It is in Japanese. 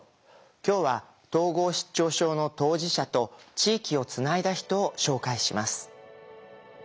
今日は統合失調症の当事者と地域をつないだ人を紹介します。